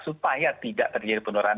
supaya tidak terjadi pendulangan